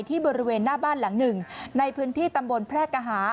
บริเวณหน้าบ้านหลังหนึ่งในพื้นที่ตำบลแพร่กหา